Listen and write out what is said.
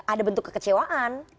ada bentuk kekecewaan